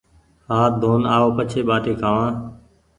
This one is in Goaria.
هآٿ ڌون آو پڇي ٻآٽي کآوآن